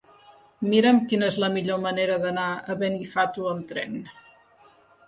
Mira'm quina és la millor manera d'anar a Benifato amb tren.